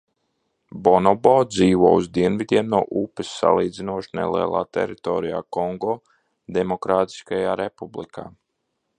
Bonobo dzīvo uz dienvidiem no upes salīdzinoši nelielā teritorijā Kongo Demokrātiskajā Republikā.